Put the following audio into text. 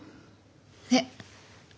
えっ。